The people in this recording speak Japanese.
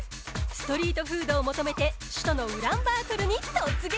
ストリートフードを求めて首都のウランバートルに突撃。